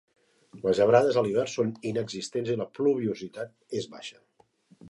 Les gebrades a l'hivern són inexistents i la pluviositat és baixa.